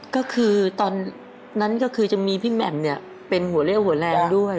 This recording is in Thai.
ก็คือตอนนั้นก็คือจะมีพี่แหม่มเนี่ยเป็นหัวเลี่ยวหัวแรงด้วย